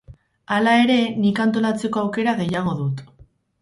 Halere, nik antolatzeko aukera gehiago dut.